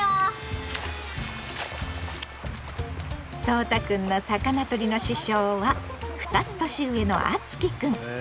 そうたくんの魚とりの師匠は２つ年上のあつきくん。